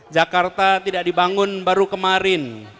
jakarta tidak dibangun baru kemarin